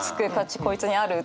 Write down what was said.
こいつにある？とか。